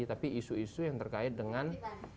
tapi isu isu yang terkait dengan